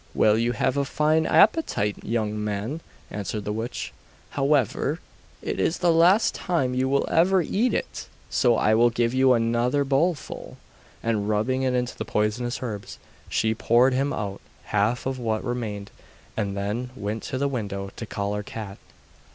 'Well, you have a fine appetite, young man,' answered the witch; 'however, it is the last time you will ever eat it, so I will give you another bowlful.' And rubbing in the poisonous herbs, she poured him out half of what remained, and then went to the window to call her cat.